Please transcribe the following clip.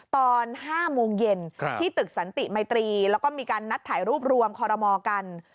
ตอน๕โมงเย็นที่ตึกสันติมัยตรีแล้วก็มีการนัดถ่ายรูปรวมคอรมอกัน